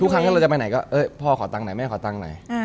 ทุกครั้งที่เราจะไปไหนก็พ่อขอตังไหนแม่ขอตังไหน